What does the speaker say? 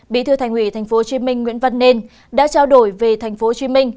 bị thưa thành ủy tp hcm nguyễn văn nên đã trao đổi về tp hcm